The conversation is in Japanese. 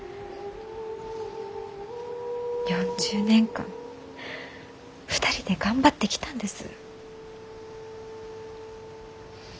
４０年間２人で頑張ってきたんです。